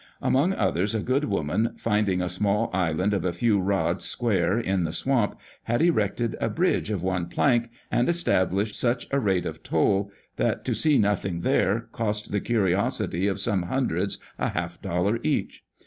Among others, a good woman, finding a small island of a few rods square in the swamp, had erected a bridge of one plank, and established such a rate of toll that, to see nothing there, cost the curiosity of some hun dreds a half dollar each.